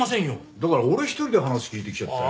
だから俺一人で話聞いてきちゃったよ。